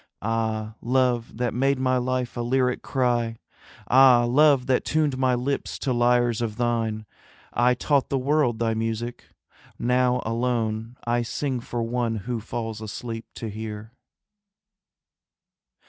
Ah, Love that made my life a lyric cry, Ah, Love that tuned my lips to lyres of thine, I taught the world thy music, now alone I sing for one who falls asleep to hear.